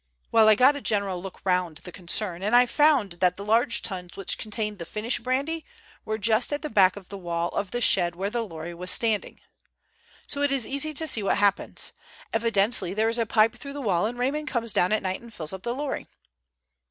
Well, I got a general look round the concern, and I found that the large tuns which contain the finished brandy were just at the back of the wall of the shed where the lorry was standing. So it is easy to see what happens. Evidently there is a pipe through the wall, and Raymond comes down at night and fills up the lorry."